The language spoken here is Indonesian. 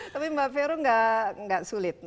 tapi mbak feru enggak sulit